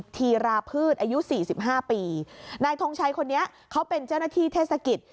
ธีราพืชอายุสี่สิบห้าปีนายทงชัยคนนี้เขาเป็นเจ้าหน้าที่เทศกิจ